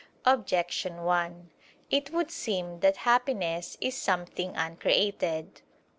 Objection 1: It would seem that happiness is something uncreated.